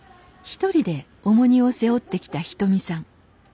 一人で重荷を背負ってきたひとみさん。